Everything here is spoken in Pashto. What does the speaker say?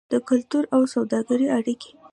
د کلتور او سوداګرۍ اړیکې.